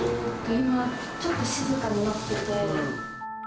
今、ちょっと静かになってて。